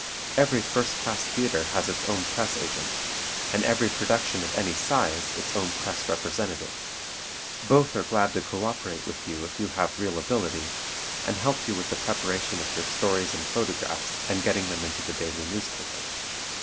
Every first class theatre has its own press agent, and every production of any size its own press representative. Both are glad to coöperate with you if you have real ability, and help you with the preparation of your stories and photographs and getting them into the daily newspaper.